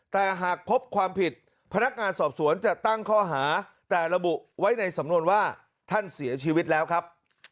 แต่หากพบความผิดพนักงานสอบสวนจะตั้งข้อหาแต่ระบุไว้ในสำนวนว่าท่านเสียชีวิตแล้วครับ